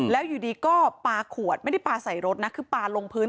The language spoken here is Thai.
แล้วอยู่ดีก็ปลาขวดไม่ได้ปลาใส่รถนะคือปลาลงพื้น